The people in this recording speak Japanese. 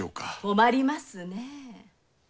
困りますね。